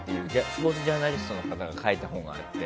スポーツジャーナリストの方が書いた本があって。